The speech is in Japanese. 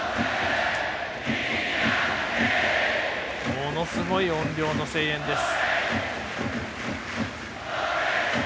ものすごい音量の声援です。